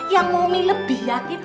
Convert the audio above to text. yang momi lebih yakin